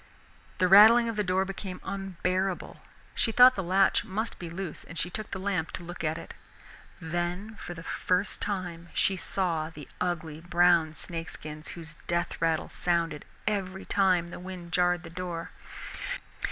The rattling of the door became unbearable, she thought the latch must be loose and took the lamp to look at it. Then for the first time she saw the ugly brown snake skins whose death rattle sounded every time the wind jarred the door.